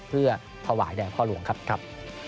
เพื่อถวายพระบรมศพ